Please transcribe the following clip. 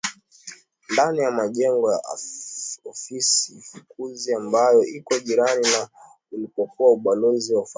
Ndani ya majengo ya ofisi fukuzi ambayo iko jirani na ulipokuwa ubalozi wa ufaransa